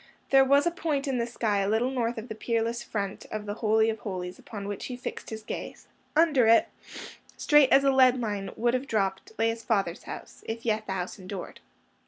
There was a point in the sky a little north of the peerless front of the Holy of Holies upon which he fixed his gaze: under it, straight as a leadline would have dropped, lay his father's house, if yet the house endured.